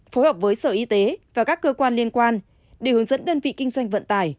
phối hợp với sở y tế và các cơ quan liên quan để hướng dẫn đơn vị kinh doanh vận tải